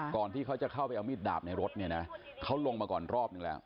ก่อนที่เขาจะเข้าไปเอามีดดาบในรถเนี่ยนะเขาลงมาก่อนรอบนึงแล้ว